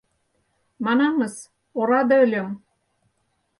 Манам-ыс, ораде ыльым.